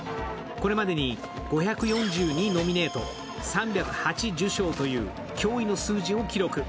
これまでに５４２ノミネート３０８受賞という驚異の数字を記録。